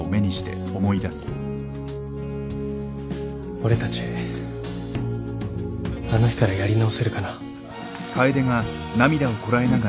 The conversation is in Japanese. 俺たちあの日からやり直せるかな？